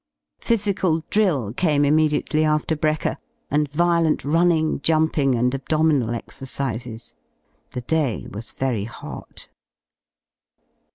Physical drill came immediately after brekker, and violent running, jumping, and abdominal exercises. The day was very hot.